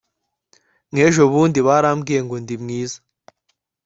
nkejo bundi barambwiye ngo ndimwiza